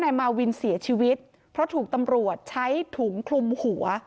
มาวินเสียชีวิตเพราะถูกตำรวจใช้ถุงคลุมหัว